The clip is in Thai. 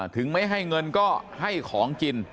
ถึงไม่ให้เงินก็ให้ของกิน